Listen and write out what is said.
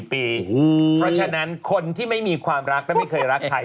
เพราะฉะนั้นคนที่ไม่มีความรักและไม่เคยรักใคร